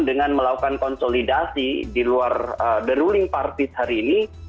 dengan melakukan konsolidasi di luar deruling partis hari ini